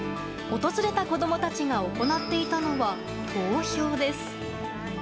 訪れた子供たちが行っていたのは投票です。